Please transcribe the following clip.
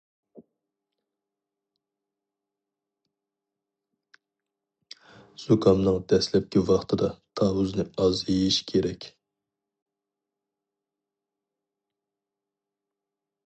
زۇكامنىڭ دەسلەپكى ۋاقتىدا تاۋۇزنى ئاز يېيىش كېرەك.